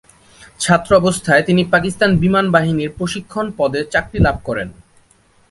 ছাত্র অবস্থায় তিনি পাকিস্তান বিমান বাহিনীর প্রশিক্ষণ পদে চাকরি লাভ করেন।